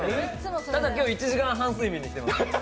ただ、今日１時間半睡眠で来てます。